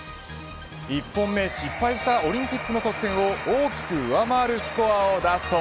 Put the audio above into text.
１本目失敗したオリンピックの得点を大きく上回るスコアを出すと。